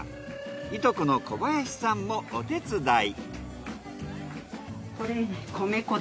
いとこの小林さんもお手伝い。